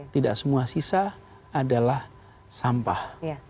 tidak semua sisa adalah sampah